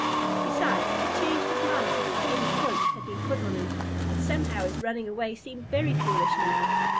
Besides, he had changed his mind since the wooden poke had been put on him, and somehow his running away seemed very foolish now.